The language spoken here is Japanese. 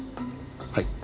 はい。